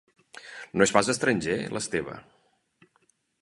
No és pas estranger, l'Esteve.